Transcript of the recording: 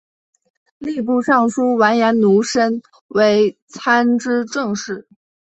吏部尚书完颜奴申为参知政事。